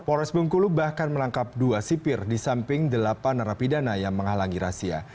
polres bengkulu bahkan menangkap dua sipir di samping delapan narapidana yang menghalangi rahasia